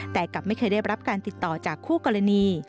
แต่กลับไม่เคยได้รับการติดต่อจากคู่กรณี